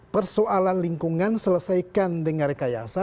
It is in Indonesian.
persoalan lingkungan selesaikan dengan rekayasa